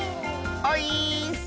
オイーッス！